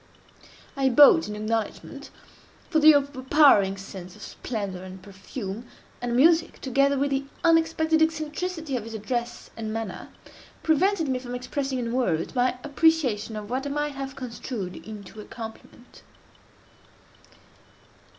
I bowed in acknowledgment—for the overpowering sense of splendor and perfume, and music, together with the unexpected eccentricity of his address and manner, prevented me from expressing, in words, my appreciation of what I might have construed into a compliment.